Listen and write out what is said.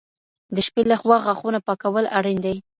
د شپې لخوا غاښونه پاکول اړین دي.